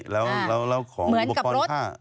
ละเอียดกว่านี้แล้วของอุปกรณ์ข้าว